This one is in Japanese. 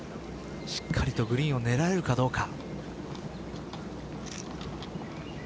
しっかりとグリーンを狙えるかどうか。